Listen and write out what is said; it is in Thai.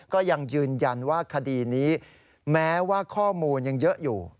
ก็ยังยืนยันว่าคดีนี้แม้ว่าข้อมูลยังเยอะอยู่